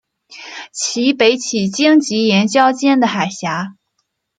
其北起荆棘岩礁间的海峡。